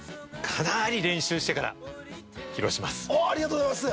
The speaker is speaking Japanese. おっありがとうございます！